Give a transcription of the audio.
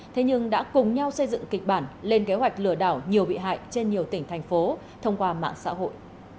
thế nhưng đã cùng nhau xây dựng kịch bản lên kế hoạch lừa đảo nhiều bị hại trên nhiều tỉnh thành phố thông qua mạng xã hội